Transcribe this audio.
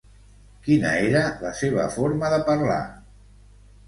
Quina era la seva forma de parlar?